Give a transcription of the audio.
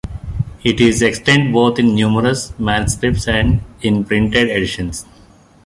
It is extant both in numerous manuscripts and in printed editions.